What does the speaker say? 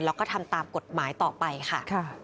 แล้วก็ทำตามกฎหมายต่อไปค่ะ